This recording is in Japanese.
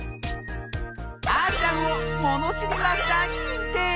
あーちゃんをものしりマスターににんてい！